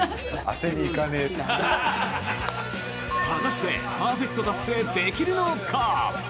果たしてパーフェクト達成できるのか？